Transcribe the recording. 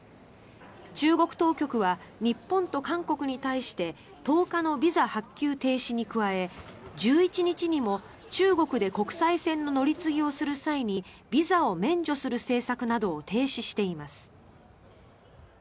中国当局は日本と韓国に対して１０日のビザ発給停止に加え１１日にも、中国で国際線の乗り継ぎをする際にビザを免除する政策などを停止しています。